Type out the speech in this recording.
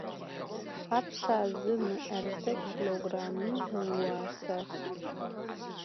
Thapşşa zı mı'erıse kilogrammım ıuaser?